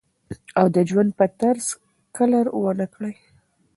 او د ژوند پۀ طرز کلر ونۀ کړي